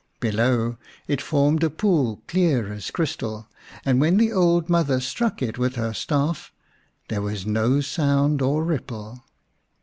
Below it formed a pool clear as crystal, and when the old mother struck it with her staff there was no sound or ripple.